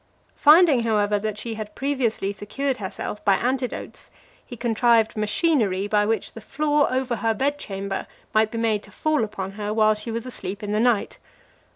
Finding, however, (363) that she had previously secured herself by antidotes, he contrived machinery, by which the floor over her bed chamber might be made to fall upon her while she was asleep in the night.